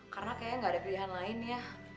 karena kayaknya gak ada pilihan lain ya